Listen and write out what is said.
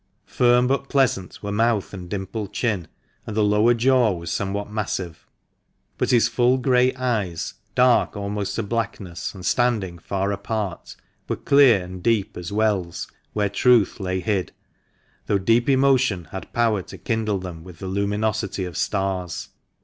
Firm but pleasant were mouth and dimpled chin, and the lower jaw was somewhat massive ; but his full grey eyes, dark almost to blackness, and standing far apart, were clear and deep as wells where truth lay hid, though deep emotion had power to kindle them with the luminosity of stars.